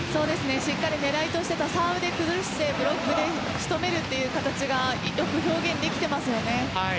しっかり狙いとしてたサーブで崩してブロックで仕留めるという形が表現できていますよね。